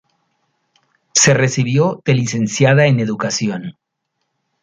Se recibió de licenciada en Educación.